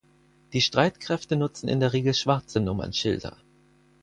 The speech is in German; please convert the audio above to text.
Die Streitkräfte nutzen in der Regel schwarze Nummernschilder.